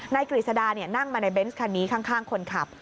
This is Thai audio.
กฤษดานั่งมาในเบนส์คันนี้ข้างคนขับ